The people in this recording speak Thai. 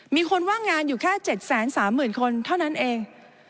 มีคนว่างงานอยู่แค่๗๓๐๐๐คนเท่านั้นเอง